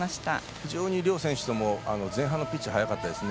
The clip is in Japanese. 非常に両選手とも前半のピッチが速かったですね。